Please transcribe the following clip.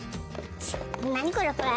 何これ？